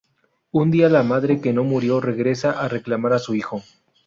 Un día la madre que no murió regresa a reclamar a su hijo.